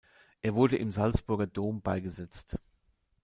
Er wurde im Salzburger Dom beigesetzt.